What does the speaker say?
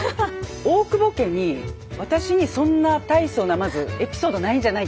大久保家に私にそんな大層なまずエピソードないんじゃないかっていうのが。